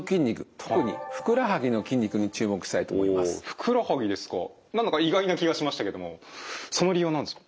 ふくらはぎですか何だか意外な気がしましたけどもその理由は何ですか？